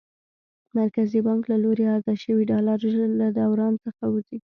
مرکزي بانک له لوري عرضه شوي ډالر ژر له دوران څخه وځي.